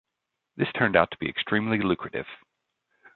This turned out to be extremely lucrative.